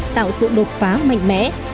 tạo sự đột phá mạnh mẽ